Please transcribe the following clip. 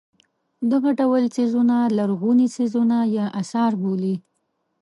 دغه ډول څیزونه لرغوني څیزونه یا اثار بولي.